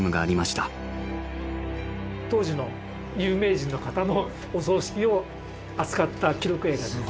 当時の有名人の方のお葬式を扱った記録映画です。